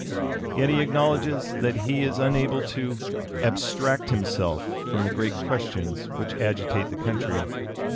Yet he acknowledges that he is unable to "abstract himself from the great questions which agitate the country."